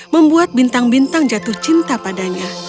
membuat bintang bintang jatuh cinta padanya